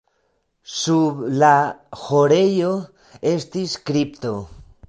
Sub la ĥorejo estis kripto.